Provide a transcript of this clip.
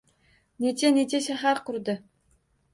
Necha-necha shahar qurdi